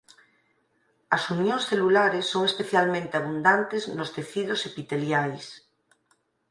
As unións celulares son especialmente abundantes nos tecidos epiteliais.